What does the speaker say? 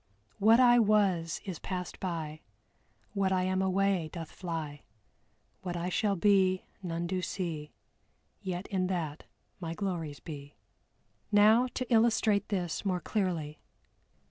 "What I was is passed by, What I am away doth fly; What I shall be none do see, Yet in that my glories be." Now to illustrate this more clearly.